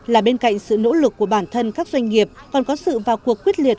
là bên cạnh sự nỗ lực của bản thân các doanh nghiệp còn có sự vào cuộc quyết liệt